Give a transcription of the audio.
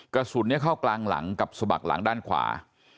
กระสุนเข้ากลางหลังกับสะบักหลังด้านขวา